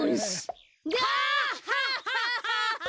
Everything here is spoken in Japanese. ガッハハハハ！